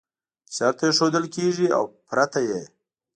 شرط ایښودل کېږي او پرته یې